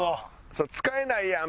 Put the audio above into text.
「それ使えないやん！